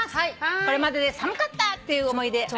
これまでで寒かったっていう思い出ありますか？